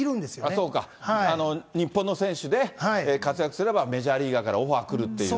あっ、そうか、日本の選手で活躍すれば、メジャーリーガーからオファー来るっていうね。